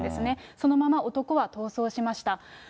そのまま男は逃走しました。